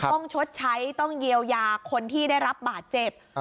ชดใช้ต้องเยียวยาคนที่ได้รับบาดเจ็บ